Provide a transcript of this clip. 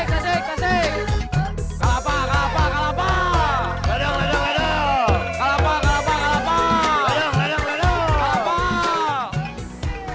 tasik tasik tasik